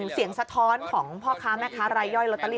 เสียงสะท้อนของพ่อค้าแม่ค้ารายย่อยลอตเตอรี่